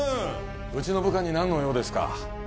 うちの部下に何の用ですか？